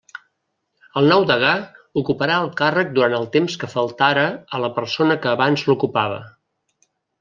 El nou degà ocuparà el càrrec durant el temps que faltara a la persona que abans l'ocupava.